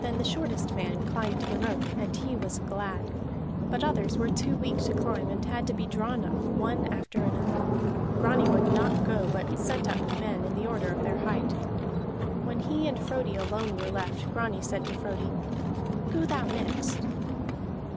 Then the shortest man climbed the rope, and he was glad. But others were too weak to climb, and had to be drawn up, one after another. Grani would not go, but sent up the men in the order of their height. When he and Frodi alone were left, Grani said to Frodi: "Go thou next."